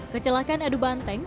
kecelakaan adu banteng